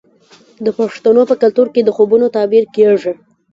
د پښتنو په کلتور کې د خوبونو تعبیر کیږي.